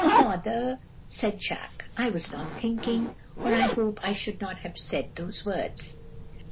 "'Father,' said Jacques, 'I was not thinking, or I hope I should not have said those words.'